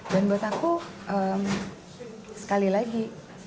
dan buat aku sekali lagi